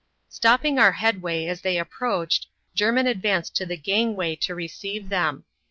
Stopping our headway as they approached, Jermin advanced to the gangway to receive them.